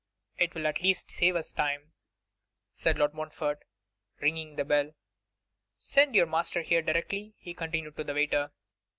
It will at least save us time,' said Lord Montfort, ringing the bell. 'Send your master here directly,' he continued to the waiter.